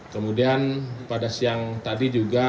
kemudian pada siang tadi juga